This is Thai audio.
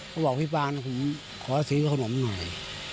บอกพี่ปานผมขอซื้อขนมหน่อย